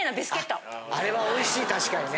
あれはおいしい確かにね。